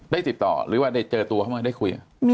ได้ติดต่อหรือว่าได้เจอตัวกันหรือว่าได้คุย